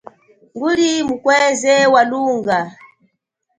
Nguli mukweze wa lunga.